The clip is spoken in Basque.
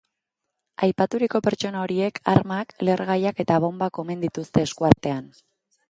Aipaturiko pertsona horiek armak, lehergaiak eta bonbak omen dituzte esku artean.